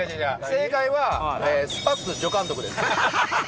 正解はスパッツ助監督です。